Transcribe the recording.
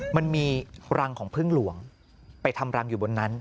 มันมีรังของพึ่งหลวงไปทำรังอยู่บนนั้น